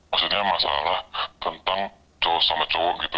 maksudnya masalah tentang cowok sama cowok gitu